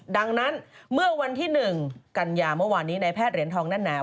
ดังนั้นเมื่อวันที่๑กันยาเมื่อวานนี้ในแพทย์เหรียญทองแน่นหนา